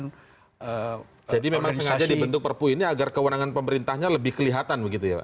jadi memang sengaja dibentuk perpu ini agar kewenangan pemerintahnya lebih kelihatan begitu ya pak